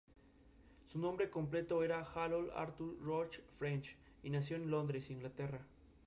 Su nombre completo era Harold Arthur George French, y nació en Londres, Inglaterra.